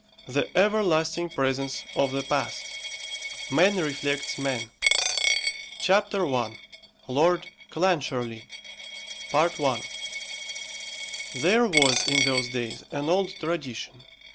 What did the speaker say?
THE EVERLASTING PRESENCE OF THE PAST: MAN REFLECTS MAN. CHAPTER I. LORD CLANCHARLIE. I. There was, in those days, an old tradition.